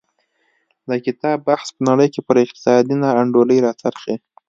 د کتاب بحث په نړۍ کې پر اقتصادي نا انډولۍ راڅرخي.